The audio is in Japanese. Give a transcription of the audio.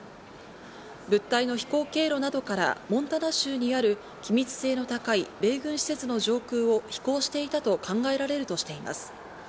物体の飛行経路などから、モンタナ州にある機密性の高い米軍施設の上空を飛行していたと考えられるとしています。